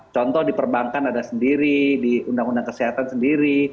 contoh di perbankan ada sendiri di undang undang kesehatan sendiri